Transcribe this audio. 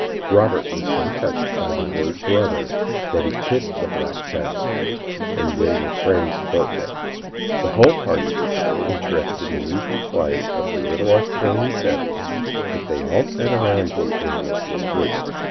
Robert was so touched by the word brother that he kissed the black child, and they were friends forthwith. The whole party were so interested in these replies of the little Australian savage that they all sat round him in a listening group.